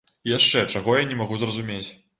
І яшчэ, чаго я не магу зразумець.